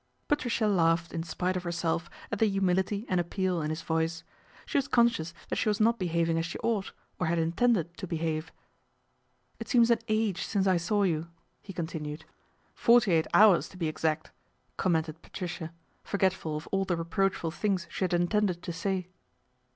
Patricia laughed in spite of herself at the humility and appeal in his voice. She was con scious that she was not behaving as she ought, or had intended to behave. " It seems an age since I saw you," he con tinued. 66 PATRICIA BRENT, SPINSTER " Forty eight hours, to be exact," commented Patricia, forgetful of all the reproachful things she had intended to say.